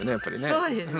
そうですね。